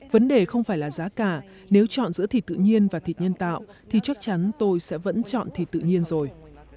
vấn đề không phải là giá cả nếu chọn giữa thịt tự nhiên và thịt nhân tạo thì chắc chắn tôi sẽ vẫn chọn thịt tự nhiên rồi